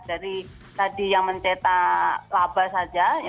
dari tadi yang mencetak laba saja